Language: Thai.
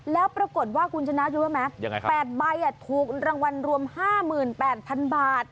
แล้วปรากฏว่าคุณชนะรู้ไหม๘ใบถูกรางวัลรวม๕๘๐๐๐บาท